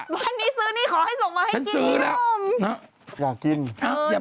วันนี้ซื้อนี่ขอให้ส่งมาให้กินโน่ม